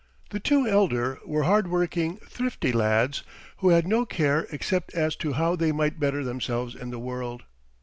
The two elder were hard working, thrifty lads, who had no care except as to how they might better themselves in the world.